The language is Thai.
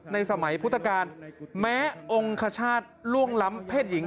ในสมัยพุทธกาลแม้องคชาติล่วงล้ำเพศหญิง